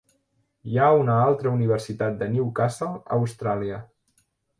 Hi ha una altra Universitat de Newcastle a Austràlia.